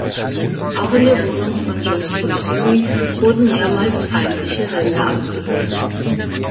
Auch in der Wohnung von Jost und Thiery wurden mehrmals feindliche Sender abgehört.